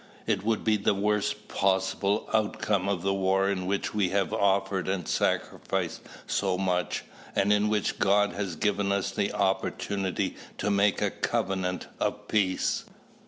It would be the worst possible outcome of the war in which we have offered and sacrificed so much, and in which God has given us the opportunity to make "a covenant of peace."